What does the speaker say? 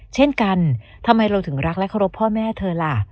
เช่นกันทำไมเราถึงรักและเคารพพ่อแม่เธอล่ะ